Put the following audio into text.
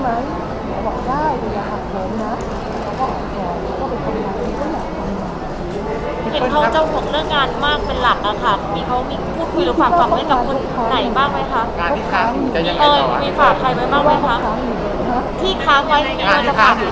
แล้วก็ทุกคนก็มีคันเหมาะกับกันอื่น